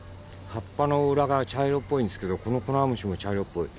葉っぱの裏が茶色っぽいんですけどこのコノハムシも茶色っぽい。